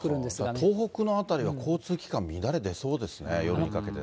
東北の辺りは交通機関乱れ出そうですね、夜にかけてね。